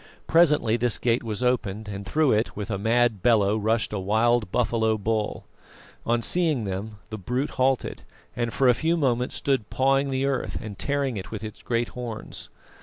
Presently this gate was opened, and through it, with a mad bellow, rushed a wild buffalo bull. On seeing them the brute halted, and for a few moments stood pawing the earth and tearing it with its great horns.